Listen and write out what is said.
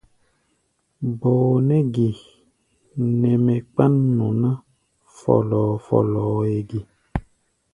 Bɔɔ nɛ́ ge nɛ mɛ kpán nɔ ná fɔ́lɔ́ɔ́-fɔ́lɔ́ɔ́ʼɛ ge?